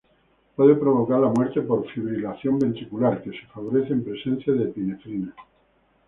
Puede provocar la muerte por fibrilación ventricular, que se favorece en presencia de epinefrina.